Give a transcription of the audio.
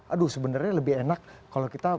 aduh sebenarnya lebih enak kalau kita